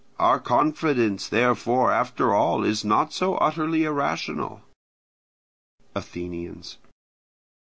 Our confidence, therefore, after all is not so utterly irrational. Athenians.